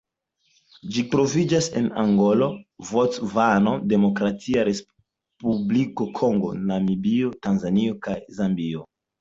Ĝi troviĝas en Angolo, Bocvano, Demokratia Respubliko Kongo, Namibio, Tanzanio kaj Zambio.